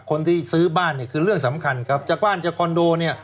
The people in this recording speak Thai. คนที่ซื้อบ้านเนี่ยคือเรื่องสำคัญครับจากบ้านจากคอนโดเนี่ย